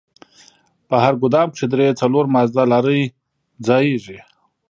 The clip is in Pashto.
په هر ګودام کښې درې څلور مازدا لارۍ ځايېږي.